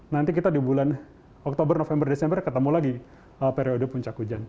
nanti kita di bulan oktober november desember ketemu lagi periode puncak hujan